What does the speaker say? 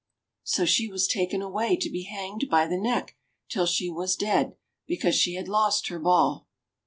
So she was taken away to be hanged by the neck till she was dead, because she had lost her ball.